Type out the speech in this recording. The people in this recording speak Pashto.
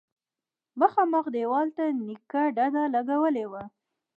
مخامخ دېوال ته نيکه ډډه لگولې وه.